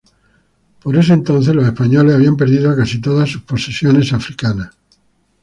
Por ese entonces los españoles habían perdido casi todas sus posesiones africanas.